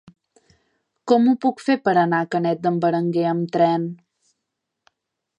Com ho puc fer per anar a Canet d'en Berenguer amb tren?